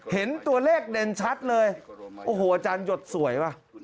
เห็นตัวเลขเด่นชัดเลยโอ้โหอาจารย์หยดสวยป่ะ